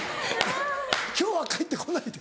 「今日は帰って来ないで」？